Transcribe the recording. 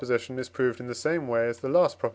is proved in the same way as the last Prop.